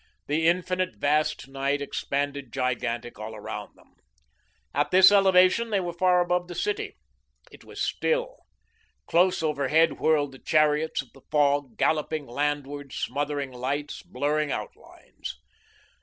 The infinite, vast night expanded gigantic all around them. At this elevation they were far above the city. It was still. Close overhead whirled the chariots of the fog, galloping landward, smothering lights, blurring outlines.